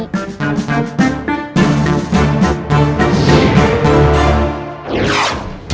oh kalian mau mati